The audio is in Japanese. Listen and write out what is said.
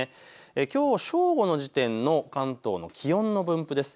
きょう正午の時点の関東の気温の分布です。